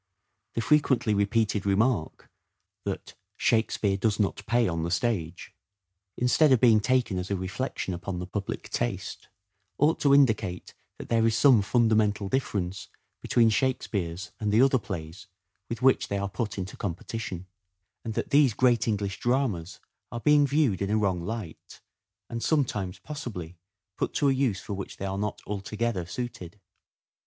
The frequently repeated remark that " Shakespeare does not pay on the stage," instead of being taken as a reflection upon the public taste, ought to indicate that there is some fundamental difference between Shakespeare's and the other plays with which they are put into competition ; and that these great English dramas are being viewed in a wrong light, and sometimes, possibly, put to a use for which they are not altogether suited.